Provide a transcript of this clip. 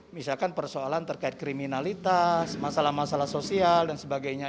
misalkan persoalan terkait kriminalitas masalah masalah sosial dan sebagainya